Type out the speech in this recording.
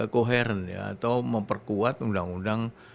koheren ya atau memperkuat undang undang